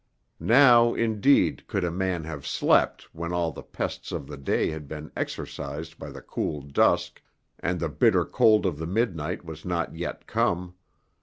Now, indeed, could a man have slept when all the pests of the day had been exorcized by the cool dusk, and the bitter cold of the midnight was not yet come.